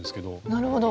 なるほど。